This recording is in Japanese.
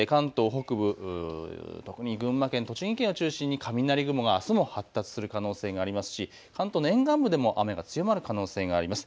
夜にかけて関東北部、特に群馬県、栃木県を中心に雷雲があすも発達する可能性がありますし、関東の沿岸部でも雨が強まる可能性があります。